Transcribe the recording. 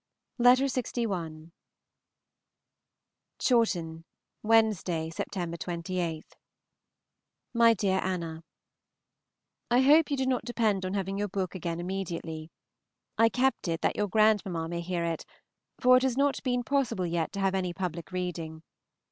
FOOTNOTE: Note by Lord Brabourne. LXI. CHAWTON, Wednesday (Sept. 28). MY DEAR ANNA, I hope you do not depend on having your book again immediately. I kept it that your grandmamma may hear it, for it has not been possible yet to have any public reading.